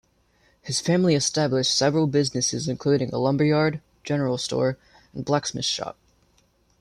His family established several businesses including a lumberyard, general store and blacksmith's shop.